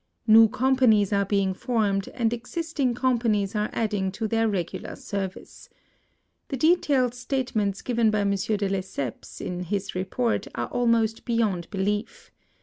New com panies are being formed, and existing com panies are adding to their regular service. The detailed statements given by M. de Lesseps in his report are almost beyond belief.